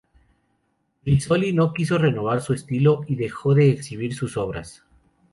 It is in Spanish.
Rizzoli no quiso renovar su estilo y dejó de de exhibir sus obras.